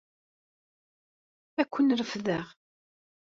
Ad ken-refdeɣ.